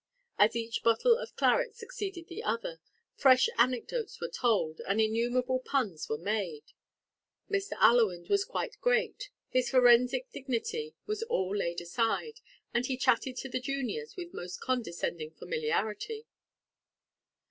As each bottle of claret succeeded the other, fresh anecdotes were told, and innumerable puns were made. Mr. Allewinde was quite great; his forensic dignity was all laid aside, and he chatted to the juniors with most condescending familiarity.